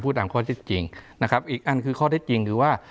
ตามข้อเท็จจริงนะครับอีกอันคือข้อเท็จจริงคือว่า